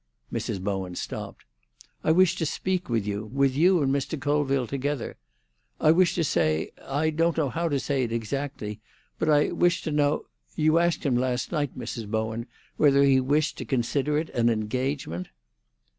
Mrs. Bowen stopped. "I wish to speak with you—with you and Mr. Colville together. I wish to say—I don't know how to say it exactly; but I wish to know—You asked him last night, Mrs. Bowen, whether he wished to consider it an engagement?"